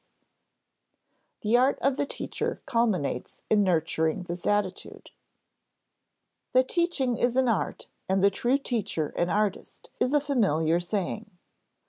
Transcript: [Sidenote: The art of the teacher culminates in nurturing this attitude] That teaching is an art and the true teacher an artist is a familiar saying.